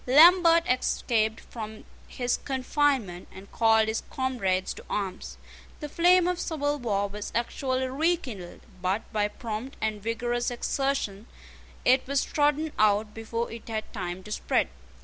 Lambert escaped from his confinement, and called his comrades to arms. The flame of civil war was actually rekindled; but by prompt and vigorous exertion it was trodden out before it had time to spread.